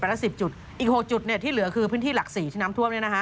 ไปละ๑๐จุดอีก๖จุดที่เหลือคือพื้นที่หลัก๔ที่น้ำท่วม